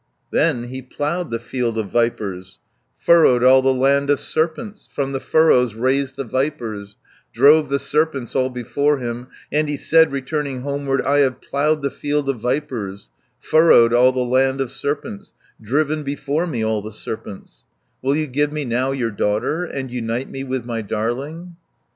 90 Then he ploughed the field of vipers, Furrowed all the land of serpents, From the furrows raised the vipers, Drove the serpents all before him, And he said, returning homeward: "I have ploughed the field of vipers, Furrowed all the land of serpents, Driven before me all the serpents: Will you give me now your daughter, And unite me with my darling?"